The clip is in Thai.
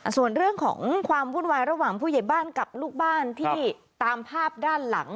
ส่วนเรื่องของความวุ่นวายระหว่างผู้ใหญ่บ้านกับลูกบ้านที่ตามภาพด้านหลัง